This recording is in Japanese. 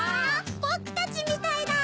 ぼくたちみたいだ！